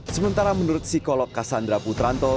sementara menurut psikolog kassandra putranto